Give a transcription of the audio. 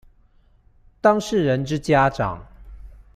當事人之家長